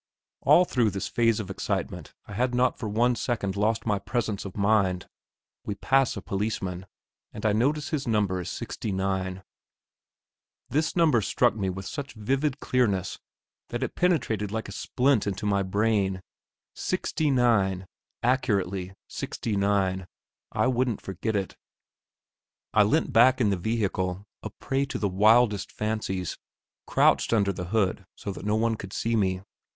All through this phase of excitement I had not for one second lost my presence of mind. We pass a policeman, and I notice his number is 69. This number struck me with such vivid clearness that it penetrated like a splint into my brain 69 accurately 69. I wouldn't forget it. I leant back in the vehicle, a prey to the wildest fancies; crouched under the hood so that no one could see me.